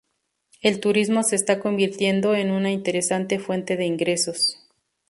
El turismo se está convirtiendo en una interesante fuente de ingresos.